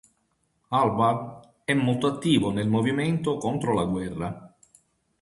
Albarn è molto attivo nel movimento contro la guerra.